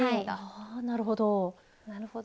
あなるほど。